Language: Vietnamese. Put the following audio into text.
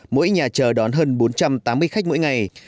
mỗi nhà chờ đón hơn bốn trăm tám mươi khách mỗi ngày